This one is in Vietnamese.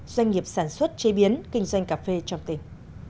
doanh nghiệp sản xuất chế biến kinh doanh cà phê trong tỉnh